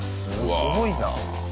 すごいな。